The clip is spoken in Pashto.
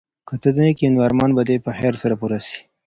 که ته نېک یې نو ارمان به دي په خیر سره پوره سي.